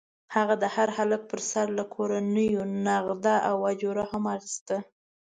هغه د هر هلک پر سر له کورنیو نغده اجوره هم اخیسته.